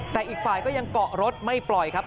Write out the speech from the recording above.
แต่อีกฝ่ายก็ยังเกาะรถไม่ปล่อยครับ